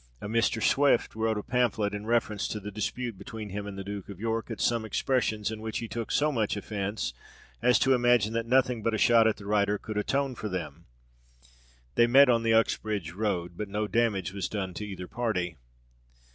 A Mr. Swift wrote a pamphlet in reference to the dispute between him and the Duke of York, at some expressions in which he took so much offence, as to imagine that nothing but a shot at the writer could atone for them. They met on the Uxbridge Road, but no damage was done to either party.